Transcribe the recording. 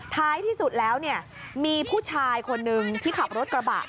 ท้ายที่สุดแล้วเนี่ยมีผู้ชายคนนึงที่ขับรถกระบะ